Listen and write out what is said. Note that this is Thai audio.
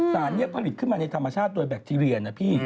สารนี้ผลิตขึ้นมาในธรรมชาติโดยแบคทีเรียนะพี่